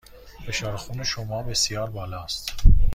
فشار خون شما بسیار بالا است.